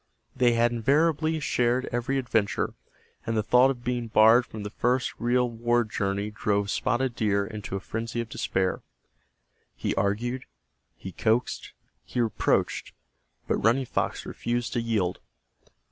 They had invariably shared every adventure, and the thought of being barred from the first real war journey drove Spotted Deer into a frenzy of despair. He argued, he coaxed, he reproached, but Running Fox refused to yield.